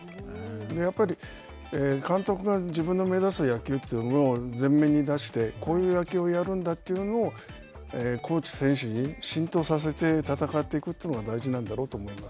やっぱり、監督が自分の目指す野球というものを前面に出して、こういう野球をやるんだというのをコーチ、選手に浸透させて戦っていくというのが大事なんだろうと思います。